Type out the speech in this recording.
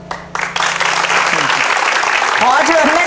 ขอเชิญแม่แต่มาต่อชีวิตเป็นคนต่อไปครับ